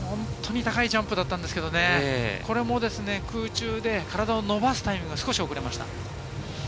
高いジャンプだったんですけれども、これも空中で体を伸ばすタイミングが遅れました。